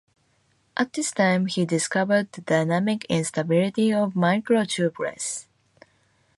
At this time he discovered the Dynamic Instability of Microtubules.